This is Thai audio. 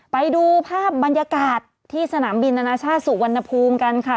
ไปดูภาพบรรยากาศที่สนามบินอนาชาติสุวรรณภูมิกันค่ะ